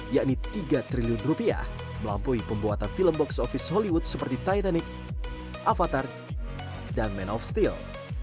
yakni tiga triliun rupiah melampaui pembuatan film box office hollywood seperti titanic avatar dan man of steel